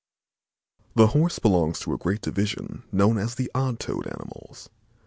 The Horse belongs to a great division, known as the odd toed animals.